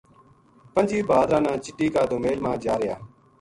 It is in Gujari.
پنجی بھادرا نا چٹی کا دومیل ما جا رہیا